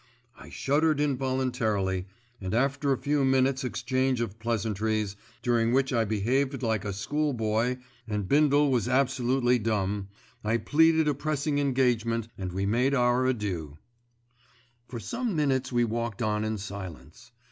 I shuddered involuntarily, and after a few minutes' exchange of pleasantries, during which I behaved like a schoolboy and Bindle was absolutely dumb, I pleaded a pressing engagement and we made our adieux. For some minutes we walked on in silence.